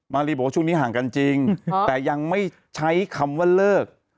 รีบอกว่าช่วงนี้ห่างกันจริงแต่ยังไม่ใช้คำว่าเลิก